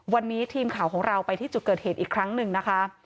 วันนี้ทีมข่าวของเราไปที่จุดเกิดเหตุอีกครั้งหนึ่งนะคะ